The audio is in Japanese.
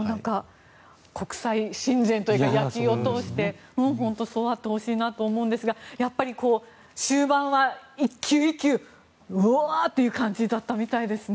国際親善というか野球を通して本当にそうあってほしいと思うんですがやっぱり終盤は１球１球うおーっという感じだったみたいですね。